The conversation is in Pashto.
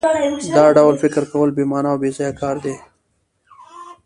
دا ډول فکر کول بې مانا او بېځایه کار دی